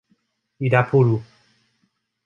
Irapuru